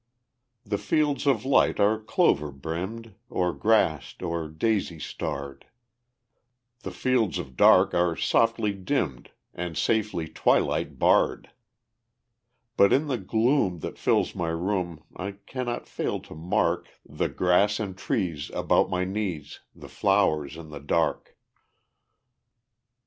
The fields of light are clover brimmed, Or grassed or daisy starred, The fields of dark are softly dimmed, And safely twilight barred; But in the gloom that fills my room I cannot fail to mark The grass and trees about my knees, The flowers in the dark.